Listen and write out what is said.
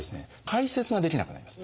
排せつができなくなります。